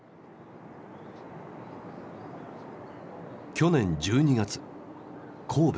去年１２月神戸。